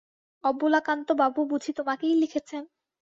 অবলাকান্তবাবু বুঝি তোমাকেই লিখেছেন?